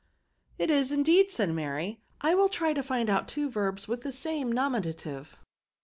It is indeed/' said Mary ;" I will try to find out two verbs with the same nomiua^ tive."